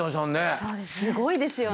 すごいですよね。